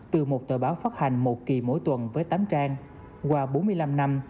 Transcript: từ một tờ báo phát hành một kỳ mỗi tuần với tám trang qua bốn mươi năm năm